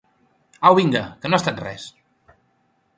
Au vinga, que no ha estat res.